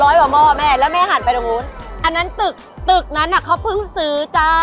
กว่าหม้อแม่แล้วแม่หันไปตรงนู้นอันนั้นตึกตึกนั้นอ่ะเขาเพิ่งซื้อจ้า